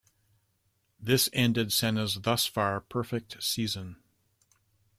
This ended Senna's thus far perfect season.